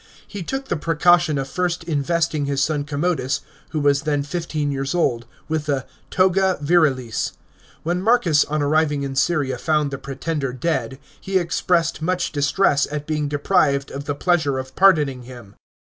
He took the precaution of first investing his son Com mo us, who was then fifteen years old, with the toga virilis. When Man MS on arriving in Syria found the pretender dead, he expressed much distress at being deprived of the pleasure of pardoning him.